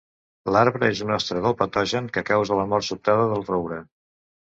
L'arbre és un hoste del patogen que causa la mort sobtada del roure.